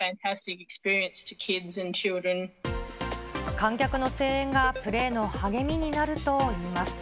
観客の声援がプレーの励みになるといいます。